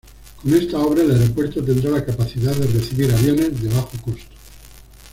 Con esta obra el aeropuerto tendrá la capacidad de recibir aviones de bajo costo.